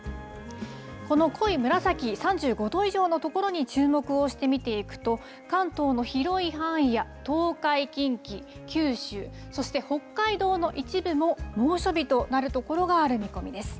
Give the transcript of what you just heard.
この濃い紫、３５度以上の所に注目をして見ていくと、関東の広い範囲や東海、近畿、九州、そして北海道の一部も猛暑日となる所がある見込みです。